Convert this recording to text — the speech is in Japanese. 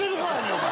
お前！